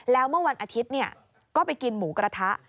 แล้วเมื่อวันอาทิตย์ก็ไปกินหมูกระทะ